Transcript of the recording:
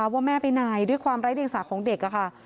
ว่าแม่ไหนด้วยความร้ายเด็กสาวของเด็ก